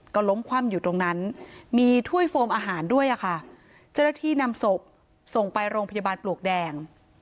ก็ล้มคว่ำอยู่ตรงนั้นมีถ้วยโฟมอาหารด้วยอะค่ะเจ้าหน้าที่นำศพส่งไปโรงพยาบาลปลวกแดง